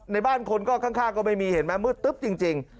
ในบ้านคนก็ข้างก็ไม่มีเห็นไหมมืดตึ๊บจริง